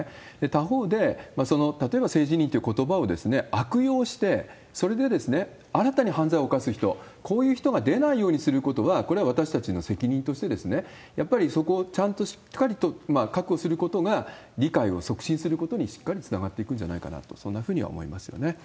他方で、例えば性自認ということばを悪用して、それで新たに犯罪を犯す人、こういう人が出ないようにすることはこれは私たちの責任として、やっぱりそこをちゃんとしっかりと確保することが、理解を促進することにしっかりつながっていくんじゃないかなと、そんなふうには思いますよね。